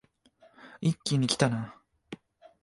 一気にきたな